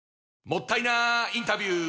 もったいなインタビュー！